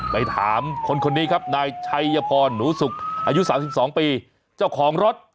ไปถามคนนี้ครับนายชัยพรหนูสุกอายุ๓๒ปีเจ้าของรถ